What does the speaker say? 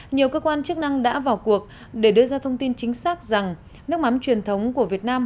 nhiều cơ quan chức năng đã vào cuộc để đưa ra thông tin chính xác rằng nước mắm truyền thống của việt nam